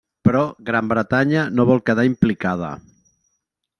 Però Gran Bretanya no vol quedar implicada.